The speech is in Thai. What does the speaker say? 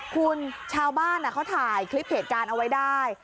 คุณชาวบ้านเขาถ่ายคลิปเหตุการณ์เอาไว้ได้